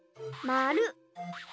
まる。